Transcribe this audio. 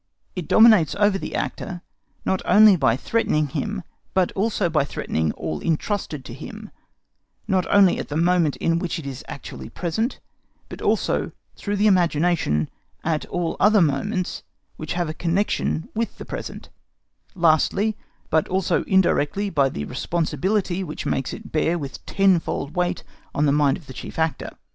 It dominates over the actor, not only by threatening him, but also by threatening all entrusted to him, not only at the moment in which it is actually present, but also through the imagination at all other moments, which have a connection with the present; lastly, not only directly by itself, but also indirectly by the responsibility which makes it bear with tenfold weight on the mind of the chief actor.